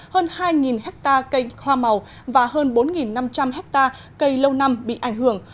hơn hai hectare cây hoa màu và hơn bốn năm trăm linh hectare cây lâu năm bị ảnh hưởng